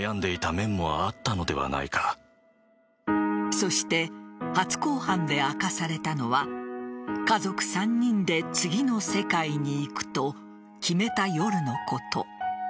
そして初公判で明かされたのは家族３人で次の世界に行くと決めた夜のこと。